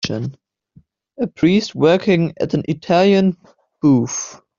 A priest working at an Italian booth.